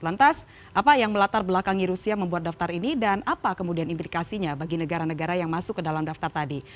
lantas apa yang melatar belakangi rusia membuat daftar ini dan apa kemudian implikasinya bagi negara negara yang masuk ke dalam daftar tadi